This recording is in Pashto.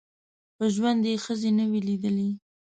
په ژوند یې ښځي نه وې لیدلي